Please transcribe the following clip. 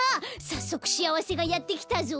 さっそくしあわせがやってきたぞ！